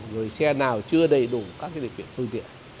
rồi xe nào chưa đầy đủ các lịch viện phương tiện